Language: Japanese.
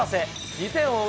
２点を追う